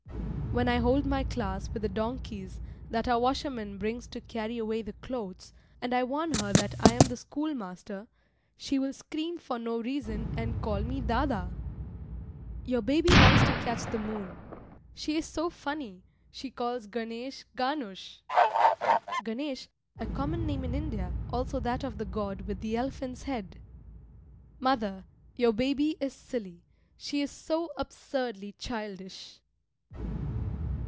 When I hold my class with the donkeys that our washerman brings to carry away the clothes and I warn her that I am the schoolmaster, she will scream for no reason and call me dâdâ. [elder brother ] Your baby wants to catch the moon. She is so funny; she calls Ganesh Gânush. [Ganesh, a common name in India, also that of the god with the elephant's head.] Mother, your baby is silly, she is so absurdly childish!